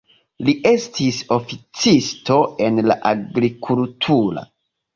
Li estis oficisto en la agrikultura ministerio.